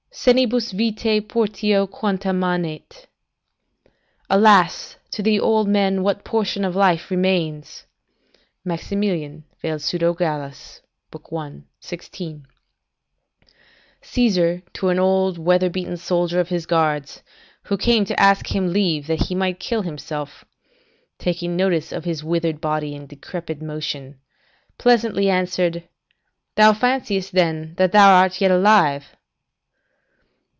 senibus vitae portio quanta manet." ["Alas, to old men what portion of life remains!" Maximian, vel Pseudo Gallus, i. 16.] Caesar, to an old weather beaten soldier of his guards, who came to ask him leave that he might kill himself, taking notice of his withered body and decrepit motion, pleasantly answered, "Thou fanciest, then, that thou art yet alive."